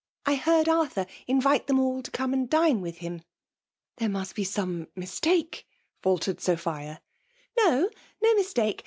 I heard Arthfiz invite them all to come and dine with lum." ''There mast be some miatahe/' filtered *' Ush BO mistake.